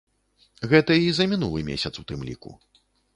Гэта і за мінулы месяц у тым ліку.